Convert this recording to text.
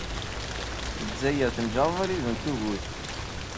Lezzayer tenjeṛ abrid n tugdut.